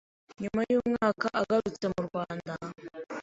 Nyuma y’umwaka agarutse mu Rwanda,